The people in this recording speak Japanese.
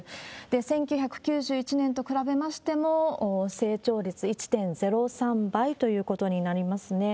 １９９１年と比べましても、成長率１．０３倍ということになりますね。